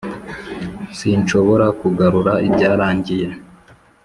sinshobora kugarura ibyarangiye,